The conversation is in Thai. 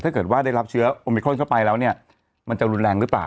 ถ้าเกิดว่าได้รับเชื้อโอมิครอนเข้าไปแล้วเนี่ยมันจะรุนแรงหรือเปล่า